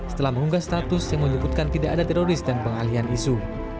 setelah mengunggah status yang menyebutkan tidak ada teroris dan pengalihan isu